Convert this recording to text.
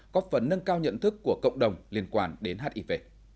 có phần nâng cao nhận thức của cộng đồng liên quan đến hiv